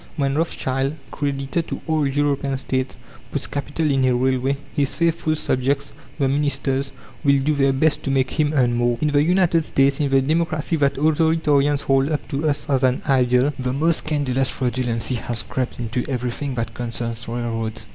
When Rothschild, creditor to all European States, puts capital in a railway, his faithful subjects, the ministers, will do their best to make him earn more. In the United States, in the Democracy that authoritarians hold up to us as an ideal, the most scandalous fraudulency has crept into everything that concerns railroads.